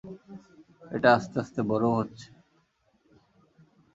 এটা আস্তে আস্তে বড়ও হচ্ছে।